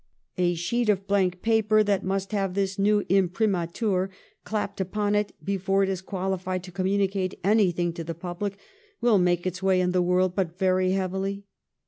A sheet of blank paper that must have this new imprimatur clapped upon it before it is qualified to communicate anything to the public will make its way in the world but very heavily.